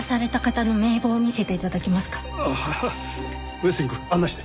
上杉くん案内して。